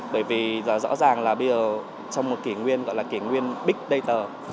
bởi vì rõ ràng là bây giờ trong một kỷ nguyên gọi là kỷ nguyên big dater